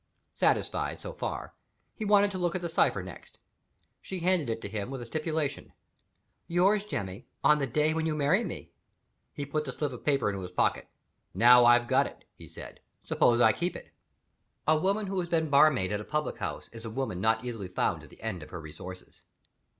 Satisfied so far, he wanted to look at the cipher next. She handed it to him with a stipulation: "Yours, Jemmy, on the day when you marry me." He put the slip of paper into his pocket. "Now I've got it," he said, "suppose I keep it?" A woman who has been barmaid at a public house is a woman not easily found at the end of her resources.